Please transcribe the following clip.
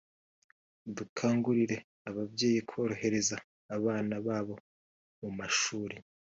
Dukangurira ababyeyi kohereza abana babo mu mashuri